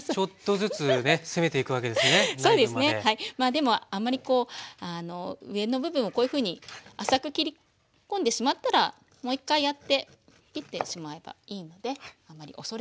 でもあんまりこう上の部分をこういうふうに浅く切り込んでしまったらもう一回やって切ってしまえばいいのであんまり恐れず。